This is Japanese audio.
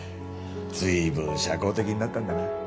随分社交的になったんだな。